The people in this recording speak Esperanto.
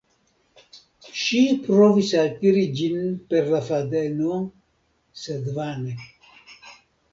Ŝi provis altiri ĝin per la fadeno, sed vane.